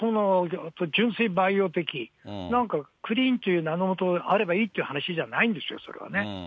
純粋培養的、なんかクリーンという名のもとにあればいいっていう話ではないんですよ、それはね。